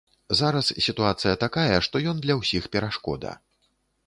Зараз сітуацыя такая, што ён для ўсіх перашкода.